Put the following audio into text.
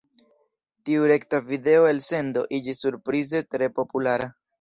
Tiu rekta video-elsendo iĝis surprize tre populara.